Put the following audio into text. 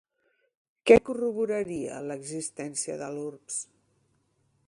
Què corroboraria l'existència de l'urbs?